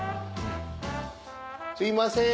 すいません！